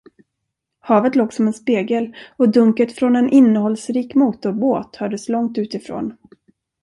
Havet låg som en spegel och dunket från en innehållsrik motorbåt hördes långt utifrån.